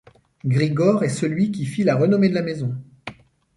Grigore est celui qui fit la renommée de la maison.